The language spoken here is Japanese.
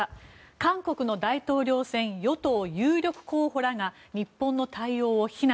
韓国の大統領選与党有力候補らが日本の対応を非難。